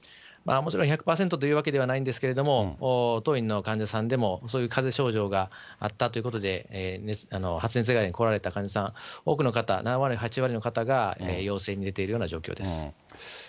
もちろん１００％というわけではないんですけれども、当院の患者さんでも、そういうかぜ症状があったということで、発熱外来に来られた患者さん、多くの方、７割、８割の方が陽性に出ているような状況です。